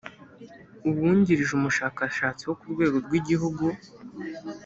uwungirije umushakashatsi wo ku rwego rw’igihugu